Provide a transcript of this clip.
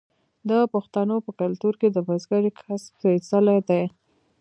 د پښتنو په کلتور کې د بزګرۍ کسب سپیڅلی دی.